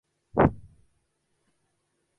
আনন্দময়ী কহিলেন, কেন, তোমারই কাছে।